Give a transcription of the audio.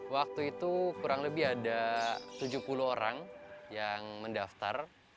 waktu itu kurang lebih ada tujuh puluh orang yang mendaftar